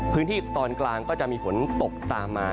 พื้นที่ตอนกลางก็จะมีฝนตกตามมา